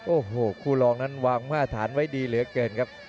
โอ้โหคู่รองนั้นวางมาตรฐานไว้ดีเหลือเกินครับ